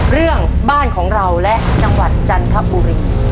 เรื่องบ้านของเราและจังหวัดจันทบุรี